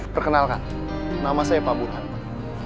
perkenalkan nama saya pak burhan pak